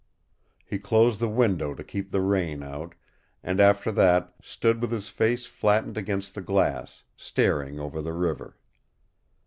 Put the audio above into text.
He closed the window to keep the rain out, and after that stood with his face flattened against the glass, staring over the river.